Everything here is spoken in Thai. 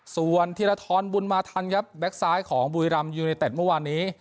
ส่วนธีรทรบุญมาทันครับแก๊กซ้ายของบุรีรำยูเนเต็ดเมื่อวานนี้